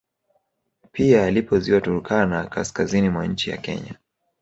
Pia lipo ziwa Turkana kaskazini mwa nchi ya Kenya